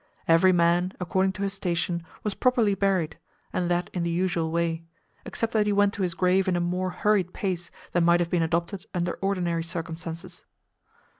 Every man, according to his station, was properly buried, and that in the usual way, except that he went to his grave in a more hurried pace than might have been adopted under ordinary circumstances.